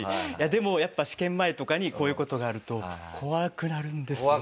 でもやっぱ試験前とかにこういう事があると怖くなるんですよ。